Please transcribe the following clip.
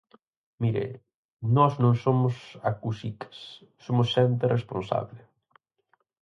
Mire, nós non somos acusicas, somos xente responsable.